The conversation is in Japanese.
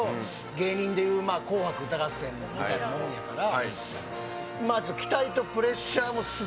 芸人でいう「紅白歌合戦」みたいなもんやから。